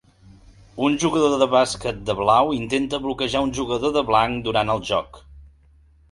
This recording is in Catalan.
Un jugador de bàsquet de blau intenta bloquejar un jugador de blanc durant el joc.